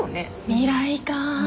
未来かぁ。